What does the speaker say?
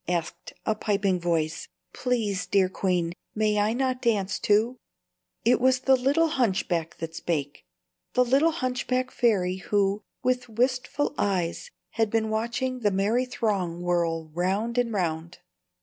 asked a piping voice. "Please, dear queen, may I not dance, too?" It was the little hunchback that spake, the little hunchback fairy who, with wistful eyes, had been watching the merry throng whirl round and round.